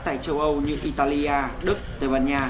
tại châu âu như italia đức tây ban nha